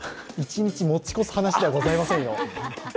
一日持ち越す話じゃございませんよ。